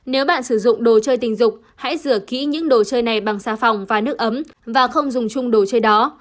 nếu bạn sử dụng đồ chơi tình dục hãy rửa kỹ những đồ chơi này bằng xà phòng và nước ấm và không dùng chung đồ chơi đó